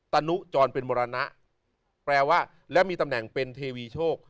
ตนุจรเป็นมรณะแปลว่าและมีตำแหน่งเป็นเทวีโชค